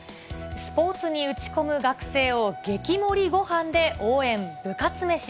スポーツに打ち込む学生を、激盛りごはんで応援、部活めし。